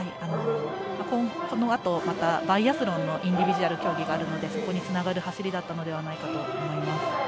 このあと、またバイアスロンのインディビジュアル競技がありますのでそこにつながる走りだったのではないかと思います。